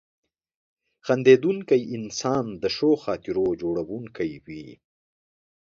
• خندېدونکی انسان د ښو خاطرو جوړونکی وي.